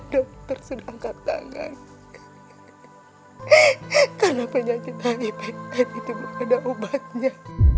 dokter sudah angkat tangan karena penyakit ipn itu belum ada ubatnya